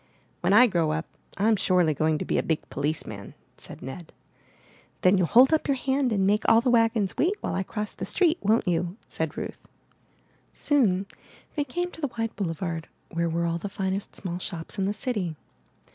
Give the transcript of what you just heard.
''When I grow up, Fm surely going to be a big policeman,'' said Ned. ''Then you'll hold up your hand and make all the wagons wait while I cross the street, won't you?" said Ruth. Soon they came to the wide boulevard where were all the finest small shops in the city.